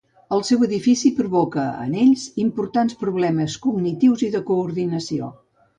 El seu dèficit provoca en ells importants problemes cognitius i de coordinació.